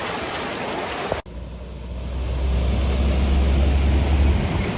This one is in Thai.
เมื่อเวลาอันดับสุดท้ายจะมีเวลาอันดับสุดท้ายมากกว่า